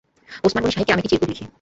ওসমান গনি সাহেবকে আমি একটি চিরকুট লিখি।